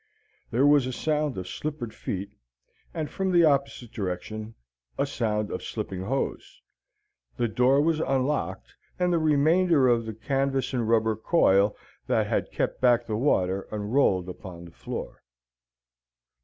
There was a sound of slippered feet, and, from the opposite direction, a sound of slipping hose. The door was unlocked, and the remainder of the canvas and rubber coil that had kept back the water unrolled down upon the floor.